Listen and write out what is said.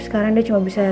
sekarang dia cuma bisa